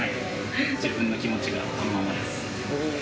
自分の気持ちがこのままです。